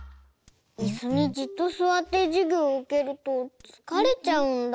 いすにじっとすわってじゅぎょうをうけるとつかれちゃうんだ。